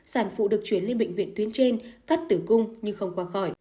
sản phụ được chuyển lên bệnh viện tuyến trên cắt tử cung nhưng không qua khỏi